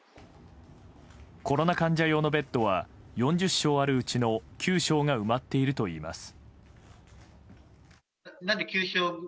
コロナ患者用のベッドは４０床あるうちの９床が埋まっているといいます。